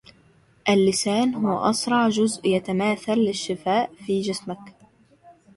اللسان هو أسرع جزء يتماثل للشفاء في جسمك.